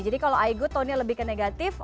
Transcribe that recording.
jadi kalau aigu tonnya lebih ke negatif